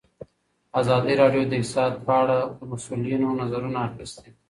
ازادي راډیو د اقتصاد په اړه د مسؤلینو نظرونه اخیستي.